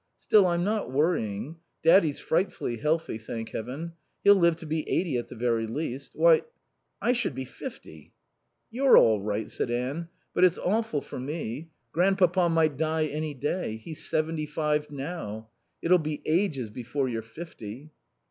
Still, I'm not worrying. Daddy's frightfully healthy, thank Heaven. He'll live to be eighty at the very least. Why I should be fifty." "You're all right," said Anne. "But it's awful for me. Grandpapa might die any day. He's seventy five now. It'll be ages before you're fifty."